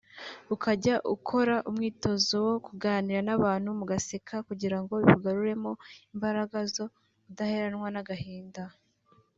ukajya ukora umwitozo wo kuganira n’abantu mugaseka kugirango bikugaruremo imbaraga zo kudaheranwa n’agahinda